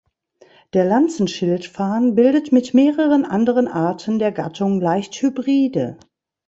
Der Lanzen-Schildfarn bildet mit mehreren anderen Arten der Gattung leicht Hybride.